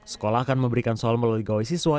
sekolah akan memberikan soal melalui gawai siswa